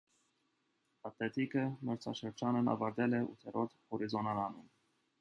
«Ատլետիկը» մրցաշրջանն ավարտել է ութերորդ հորիզոնականում։